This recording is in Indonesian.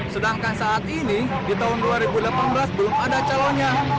sedangkan saat ini di tahun dua ribu delapan belas belum ada calonnya